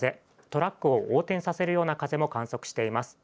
トラックを横転させるような風も観測しています。